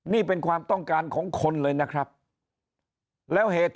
นี่เป็นความต้องการของคนเลยนะครับแล้วเหตุ